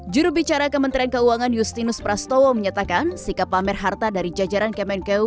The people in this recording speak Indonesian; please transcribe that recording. jurubicara kementerian keuangan justinus prastowo menyatakan sikap pamer harta dari jajaran kemenkeu